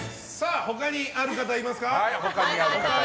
他にある方いますか？